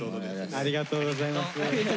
ありがとうございます。